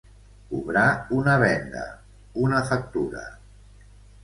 Cobrar una venda, una factura.